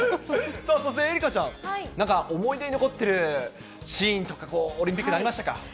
そして、愛花ちゃん、なんか思い出に残ってるシーンとか、オリンピックにありましたか？